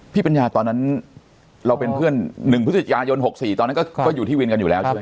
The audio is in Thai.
ปัญญาตอนนั้นเราเป็นเพื่อน๑พฤศจิกายน๖๔ตอนนั้นก็อยู่ที่วินกันอยู่แล้วใช่ไหม